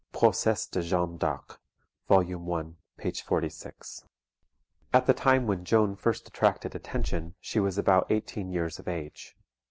PROCES DE JEANNE D'ARC, vol i. p. 46.] At the time when Joan first attracted attention, she was about eighteen years of age.